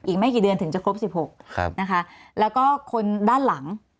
อีกไม่กี่เดือนถึงจะครบ๑๖นะคะแล้วก็คนด้านหลัง